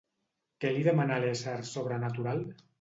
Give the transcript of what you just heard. Què li demana a l'ésser sobrenatural?